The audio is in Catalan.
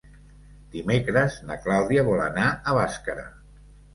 Dimecres na Clàudia vol anar a Bàscara.